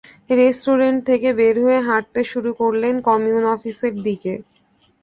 Restaurant থেকে বের হয়ে হাঁটতে শুরু করলেন কমিউন অফিসের দিকে।